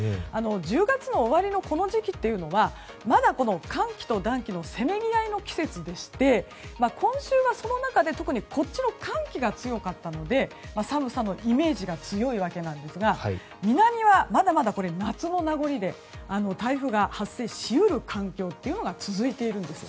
１０月の終わりの、この時期はまだ寒気と暖気のせめぎ合いの季節でして今週はその中で特に寒気が強かったので寒さのイメージが強いわけですが南はまだまだ夏の名残で台風が発生し得る環境というのが続いているんです。